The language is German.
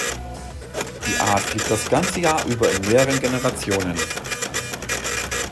Die Art fliegt das ganze Jahr über in mehreren Generationen.